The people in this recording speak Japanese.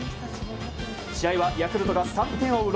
試合はヤクルトが３点を追う